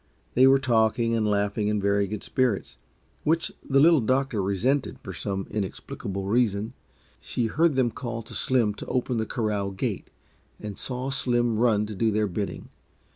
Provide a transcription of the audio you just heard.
They were talking and laughing in very good spirits which the Little Doctor resented, for some inexplicable reason. She heard them call to Slim to open the corral gate, and saw Slim run to do their bidding.